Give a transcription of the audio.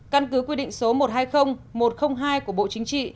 căn cứ quy định số một trăm hai mươi một trăm linh hai của bộ chính trị